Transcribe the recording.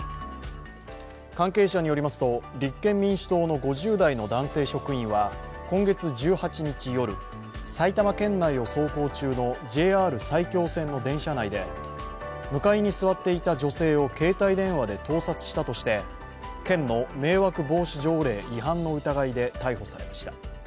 関係者によりますと立憲民主党の５０代の男性職員は今月１８日夜、埼玉県内を走行中のＪＲ埼京線の電車内で向かいに座っていた女性を携帯電話で盗撮したとして県の迷惑防止条例違反の疑いで逮捕されました。